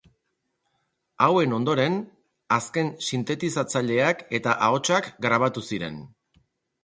Hauen ondoren, azken sintetizatzaileak eta ahotsak grabatu ziren.